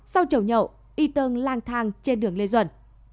sau trầu nhậu eton lang thang trên đường lê duẩn